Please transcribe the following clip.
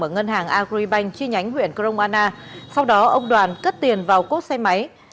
ở ngân hàng agribank chi nhánh huyện kroana sau đó ông đoàn cất tiền vào cốt xe máy